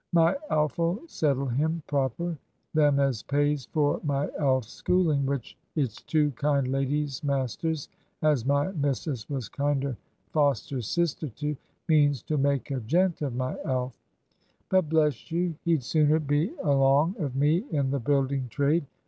My Alf'll settle him proper. Them as pays for my Alf's schooling which it's two kind ladies, masters, as my missus was kinder foster sister to means to make a gent of my Alf. But, bless you, he'd sooner be along of me in the building trade.